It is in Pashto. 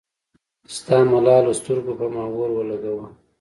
ستا ملالو سترګو پۀ ما اور اولګوو